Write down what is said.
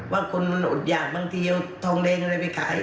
ว่าคนมันอดหยากบางทีเอาทองแดงอะไรไปขาย